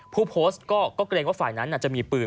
ผู้โพสต์ก็เกรงว่าฝ่ายนั้นจะมีปืน